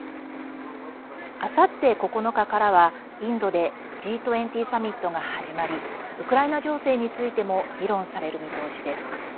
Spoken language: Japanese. あさって９日からはインドでＧ２０サミットが始まりウクライナ情勢についても議論される見通しです。